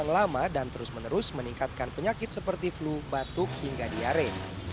yang lama dan terus menerus meningkatkan penyakit seperti flu batuk hingga diare